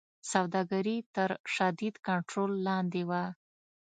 سوداګري تر شدید کنټرول لاندې وه.